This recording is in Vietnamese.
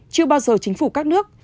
chưa bao giờ chính phủ các nước